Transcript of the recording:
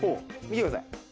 見てください。